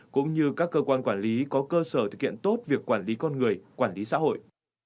cũng như các cơ quan quản lý có cơ sở thực hiện tốt việc quản lý con người quản lý xã hội